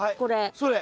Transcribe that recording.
それ。